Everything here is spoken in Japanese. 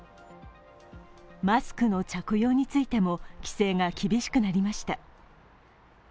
マスクの着用についても規制が厳しくなりました。